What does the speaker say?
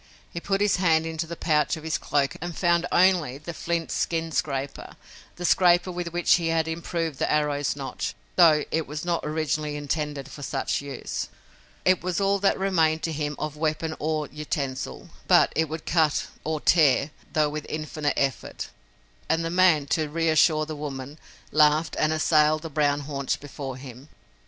He put his hand into the pouch of his cloak and found only the flint skin scraper, the scraper with which he had improved the arrow's notch, though it was not originally intended for such use. It was all that remained to him of weapon or utensil. But it would cut or tear, though with infinite effort, and the man, to reassure the woman, laughed, and assailed the brown haunch before him.